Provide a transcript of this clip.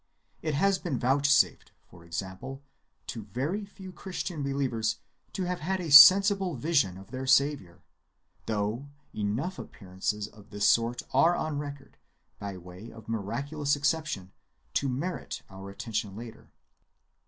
It has been vouchsafed, for example, to very few Christian believers to have had a sensible vision of their Saviour; though enough appearances of this sort are on record, by way of miraculous exception, to merit our attention later.